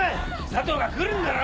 佐藤が来るんだろ？